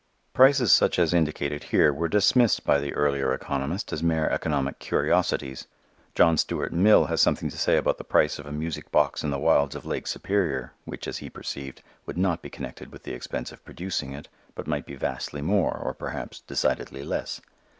Prices such as are indicated here were dismissed by the earlier economist as mere economic curiosities. John Stuart Mill has something to say about the price of a "music box in the wilds of Lake Superior," which, as he perceived, would not be connected with the expense of producing it, but might be vastly more or perhaps decidedly less.